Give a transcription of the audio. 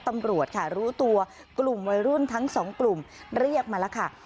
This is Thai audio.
ตำรวจค่ะรู้ตัวกลุ่มวัยรุ่นทั้งสองกลุ่มเรียกมาแล้วค่ะ